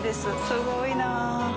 すごいな。